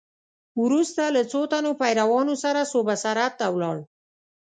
وروسته له څو تنو پیروانو سره صوبه سرحد ته ولاړ.